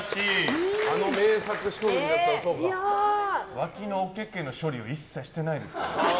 わきのお毛毛の処理を一切してないですね。